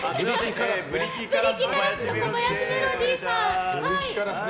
ブリキカラスの小林メロディです。